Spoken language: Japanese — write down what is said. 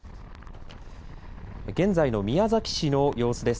現在の宮崎市の様子です。